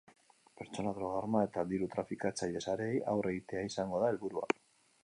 Pertsona, droga, arma eta diru-trafikatzaile sareei aurre egitea izango da helburua.